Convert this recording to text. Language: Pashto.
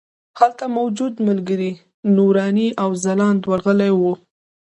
هلته موجود ملګري فرهنګ، نوراني او ځلاند ورغلي وو.